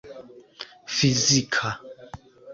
fizika